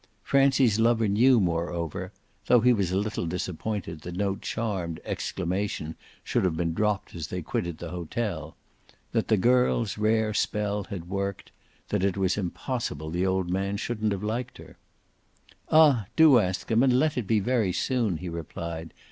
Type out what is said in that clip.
Francie's lover knew moreover though he was a little disappointed that no charmed exclamation should have been dropped as they quitted the hotel that the girl's rare spell had worked: it was impossible the old man shouldn't have liked her. "Ah do ask them, and let it be very soon," he replied.